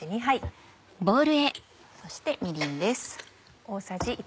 そしてみりんです。